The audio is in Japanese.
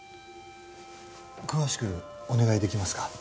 詳しくお願いできますか？